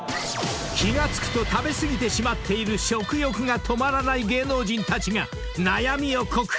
［気が付くと食べ過ぎてしまっている食欲が止まらない芸能人たちが悩みを告白！